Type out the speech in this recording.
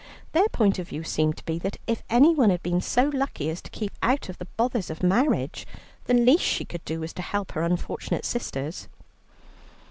Their point of view seemed to be that if anyone had been so lucky as to keep out of the bothers of marriage, the least she could do was to help her unfortunate sisters.